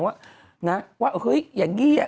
ว่าเฮ้ยอย่างนี้